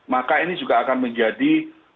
maka ini juga akan menjadi modal bagi raja charles